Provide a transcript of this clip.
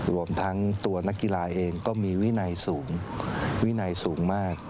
รวมทั้งตัวนักกีฬาเองก็มีวินัยสูงวินัยสูงมาก